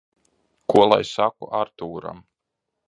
Ko lai saku Artūram?